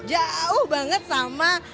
jauh banget sama